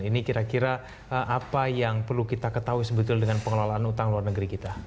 ini kira kira apa yang perlu kita ketahui sebetulnya dengan pengelolaan utang luar negeri kita